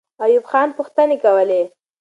ایوب خان پوښتنې کولې.